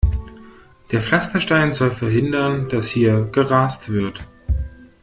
Der Pflasterstein soll verhindern, dass hier gerast wird.